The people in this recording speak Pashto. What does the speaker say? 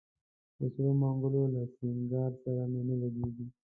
د سرو منګولو له سینګار سره مي نه لګیږي